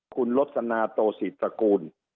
คุณลสนาโตศิตระกูล